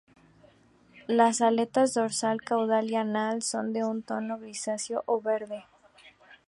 Las aletas dorsal, caudal y anal son de un tono grisáceo o verde.